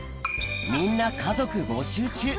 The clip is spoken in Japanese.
みんな家族募集中